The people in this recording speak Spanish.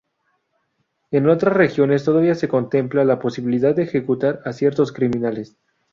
En otras regiones todavía se contempla la posibilidad de ejecutar a ciertos criminales.